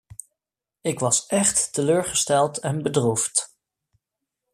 Ik was echt teleurgesteld en bedroefd.